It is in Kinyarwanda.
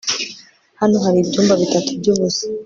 hano hari ibyumba bitatu byubusa